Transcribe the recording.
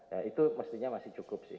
ya itu mestinya masih cukup sih